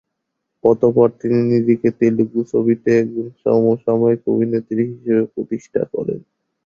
অতঃপর তিনি নিজেকে তেলুগু ছবিতে একজন সমসাময়িক অভিনেত্রী হিসেবে প্রতিষ্ঠা করেন।